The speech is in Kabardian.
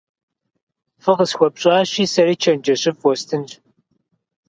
Фӏы къысхуэпщӏащи, сэри чэнджэщыфӏ уэстынщ.